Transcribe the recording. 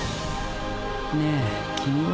ねえ君は。